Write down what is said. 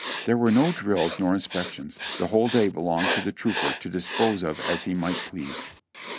There were no drills nor inspections, the whole day belonged to the trooper to dispose of as he might please.